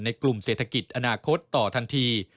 กลุ่มเศรษฐกิจอนาคตต่อทันที